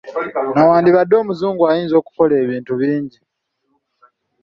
Newandibadde omuzungu ayinza okukola ebintu bingi.